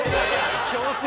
強制。